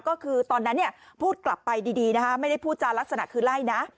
ก็คือตอนนั้นพูดกลับไปดีนะคะไม่ได้พูดจารักษณะคือไล่นะ